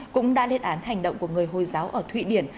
cũng đã lên án hành động của người hồi giáo ở thụy điển